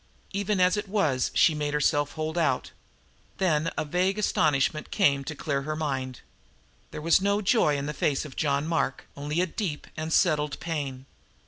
Even as it was she made herself hold out. Then a vague astonishment came to clear her mind. There was no joy in the face of John Mark, only a deep and settled pain.